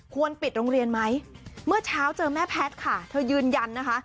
ปิดโรงเรียนไหมเมื่อเช้าเจอแม่แพทย์ค่ะเธอยืนยันนะคะ